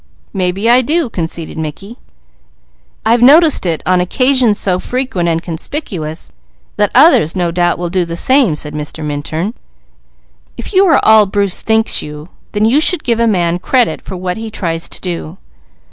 "Maybe I do," conceded Mickey. "I've noticed it on occasions so frequent and conspicuous that others, no doubt, will do the same," said Mr. Minturn. "If you are all Bruce thinks you, then you should give a man credit for what he tries to do.